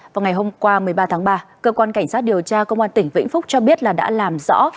vào ngày hôm qua một mươi ba tháng ba cơ quan cảnh sát điều tra công an tỉnh vĩnh phúc cho biết là đã làm rõ